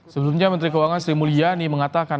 sebelumnya menteri keuangan sri mulyani mengatakan